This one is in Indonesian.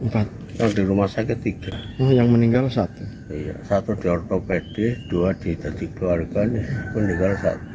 posisinya yang meninggal di mana